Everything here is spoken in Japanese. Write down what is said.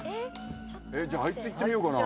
じゃああいついってみようかな。